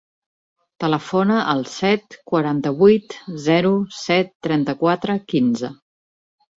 Telefona al set, quaranta-vuit, zero, set, trenta-quatre, quinze.